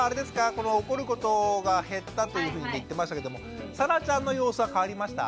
この怒ることが減ったというふうに言ってましたけどもさなちゃんの様子は変わりました？